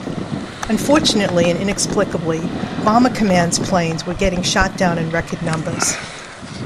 Unfortunately and inexplicably, Bomber Command's planes were getting shot down in record numbers.